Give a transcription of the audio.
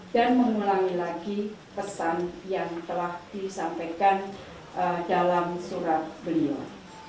dan mengulangi lagi pesan yang telah disampaikan dalam surat beliau